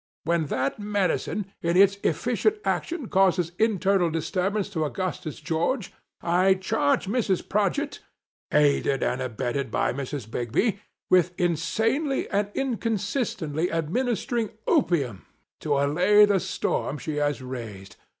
When that medicine, in its effi cient action, causes internal disturbance to Aiigustus George, I charge Mrs. Prodgit, (aided and abetted by Mrs. Bigby) with in sanely and inconsistently administering opium to allay the storm she has raised